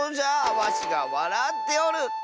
わしがわらっておる！